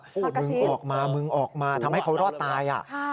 พวกออกมาเหมือนว่าเขารอดตาย